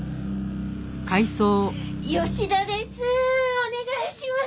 吉田です。